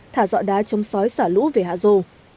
thả dọ đá chống sói xả lũ về hạ dô